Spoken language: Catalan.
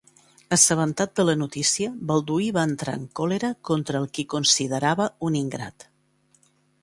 Assabentat de la notícia, Balduí va entrar en còlera contra el qui considerava un ingrat.